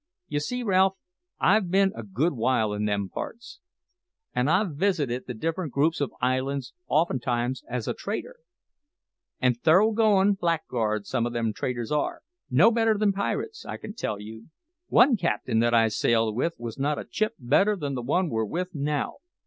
You see, Ralph, I've been a good while in them parts, and I've visited the different groups of islands oftentimes as a trader. And thorough goin' blackguards some o' them traders are no better than pirates, I can tell you. One captain that I sailed with was not a chip better than the one we're with now.